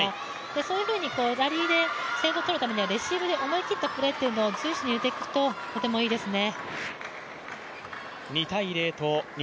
そういうふうにラリーをとるためにはレシーブで思い切ったプレーを随所に入れていくと、とてもいいですね。